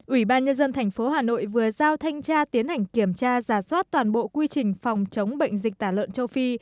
ủy ban nhân dân tp hà nội vừa giao thanh tra tiến hành kiểm tra giả soát toàn bộ quy trình phòng chống bệnh dịch tả lợn châu phi